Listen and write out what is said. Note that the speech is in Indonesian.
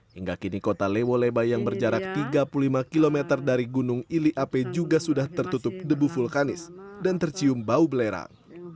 hingga kini kota lewo leba yang berjarak tiga puluh lima km dari gunung ili ape juga sudah tertutup debu vulkanis dan tercium bau belerang